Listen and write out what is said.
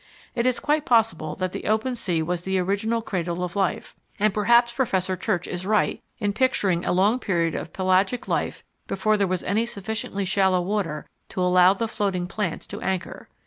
It is quite possible that the open sea was the original cradle of life and perhaps Professor Church is right in picturing a long period of pelagic life before there was any sufficiently shallow water to allow the floating plants to anchor.